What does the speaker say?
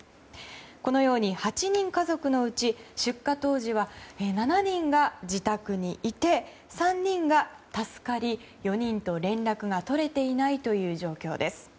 このように８人家族のうち出火当時は７人が自宅にいて３人が助かり４人と連絡が取れていないという状況です。